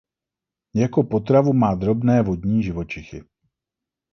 Jako potravu má drobné vodní živočichy.